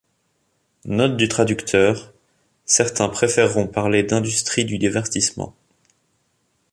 Note du traducteur : Certains préféreront parler « d’industrie du divertissement ».